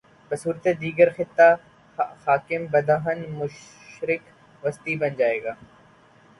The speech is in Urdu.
بصورت دیگریہ خطہ خاکم بدہن، مشرق وسطی بن جا ئے گا۔